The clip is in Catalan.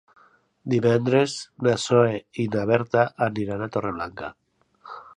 Divendres na Zoè i na Berta aniran a Torreblanca.